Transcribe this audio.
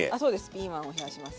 ピーマンを冷やします。